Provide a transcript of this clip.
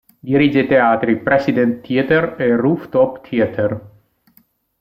Dirige i teatri "President Theater" e "Roof top Theater".